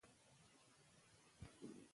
دا بدلون به روان وي.